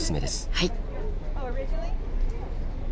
はい。